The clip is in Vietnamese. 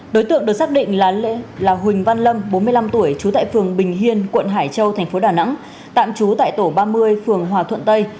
đối tượng được xác định là huỳnh văn lâm bốn mươi năm tuổi trú tại phường bình hiên quận hải châu thành phố đà nẵng tạm trú tại tổ ba mươi phường hòa thuận tây